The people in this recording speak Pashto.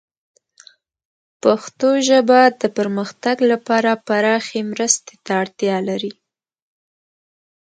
پښتو ژبه د پرمختګ لپاره پراخې مرستې ته اړتیا لري.